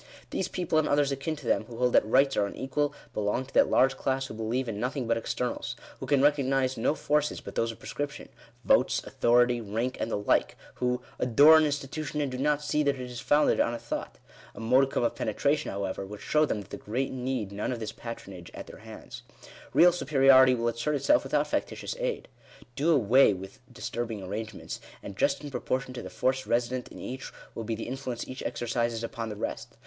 These people, and others akin to them, who hold that rights are unequal, belong to that large class who believe in nothing but externals — who can recognise no forces but those of pre scription — votes, authority, rank, and the like — who " adore an institution, and do not see that it is founded on a thought." Digitized by VjOOQIC FIRST PRINCIPLE. 107 A modicum of penetration, however, would show them that the great need none of this patronage at their hands. Beal supe riority will assert itself without factitious aid. Do away with * disturbing arrangements, and, just in proportion to the force resident in each, will be the influence each exercises upon the rest.